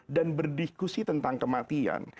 dan berdiskusi tentang kematian